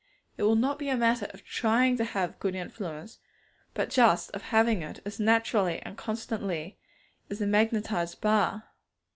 It will not be a matter of trying to have good influence, but just of having it, as naturally and constantly as the magnetized bar.